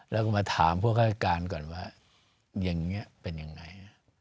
แล้วก็มาถามพวกฆาติการก่อนว่าอย่างนี้เป็นยังไง